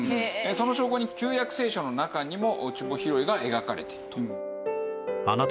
その証拠に『旧約聖書』の中にも落ち穂拾いが描かれていると。